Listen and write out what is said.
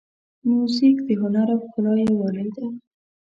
موزیک د هنر او ښکلا یووالی دی.